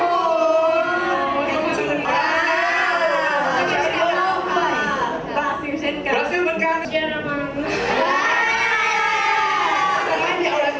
บอกเลยว่ารางวัลใหญ่ของเราที่ภารกิจที่พระนาคมจัดให้เลยนะครับ